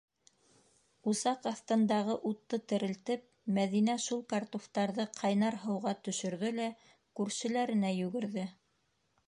Усаҡ аҫтындағы утты терелтеп, Мәҙинә шул картуфтарҙы ҡайнар һыуға төшөрҙө лә күршеләренә йүгерҙе.